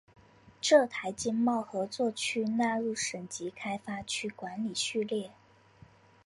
浙台经贸合作区纳入省级开发区管理序列。